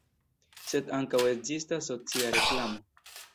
Sed ankaŭ ekzistas socia reklamo.